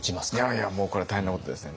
いやもうこれは大変なことですね。